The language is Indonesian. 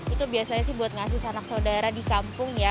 itu biasanya sih buat ngasih anak saudara di kampung ya